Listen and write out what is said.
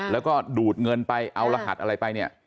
แล้วก็ดูดเงินไปเอารหัสอะไรไปเนี่ย